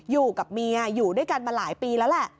อยู่กับเมียอยู่ด้วยกันมาหลายปีแล้วแหละ